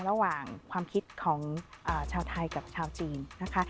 ระหว่างความคิดของชาวไทยกับชาวจีนนะคะ